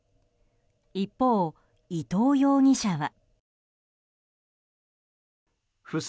一方、伊藤容疑者は。